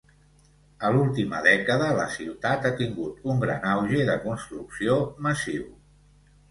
A l'última dècada, la ciutat ha tingut un gran auge de construcció massiu.